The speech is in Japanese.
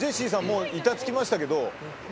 もう板付きましたけど。